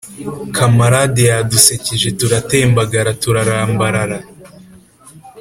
kamarade yadusekeje turatembagara turarambarara